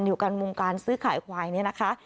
อยู่กันมุมการซื้อขายควายเนี่ยนะคะ